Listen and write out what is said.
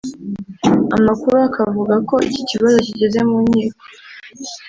amakuru akavuga ko iki kibazo kigeze mu nkiko